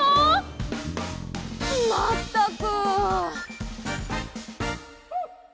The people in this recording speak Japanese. まったく。